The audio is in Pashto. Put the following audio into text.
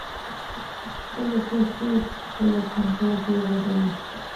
خپلې پښې په خپله کمپله کې وغځوئ.